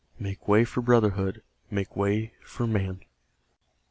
Make way for brotherhood make way for Man!